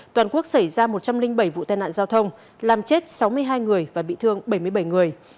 toàn quốc xảy ra một trăm linh bảy vụ tai nạn giao thông làm chết sáu mươi hai người và bị thương bảy mươi bảy người